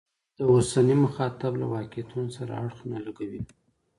د اوسني مخاطب له واقعیتونو سره اړخ نه لګوي.